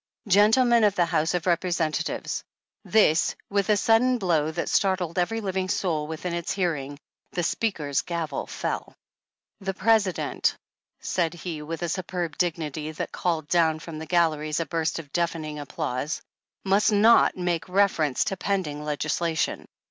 " Gentlemen of the House of Representatives, this measure upon which you are now deliberating " 47 With a sudden blow that startled every living soul within its hearing, the Speaker's gavel fell. " The President," said he with a superb dignity that called down from the galleries a burst of deafening applause, ^'must not make reference to pending legislation.